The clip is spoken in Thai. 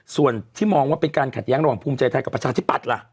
ส่วนที่มองว่าเป็นการขัดแย้งระหว่างภูมิใจไทยกับประชาธิปัตย์ล่ะ